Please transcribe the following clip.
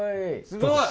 すごい。